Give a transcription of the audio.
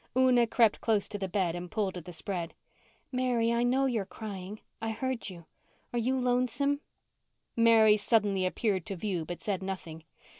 Una crept close to the bed and pulled at the spread. "Mary, I know you are crying. I heard you. Are you lonesome?" Mary suddenly appeared to view but said nothing.